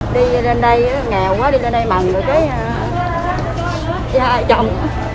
đi lên đây nghèo quá đi lên đây mặn rồi cái hai chồng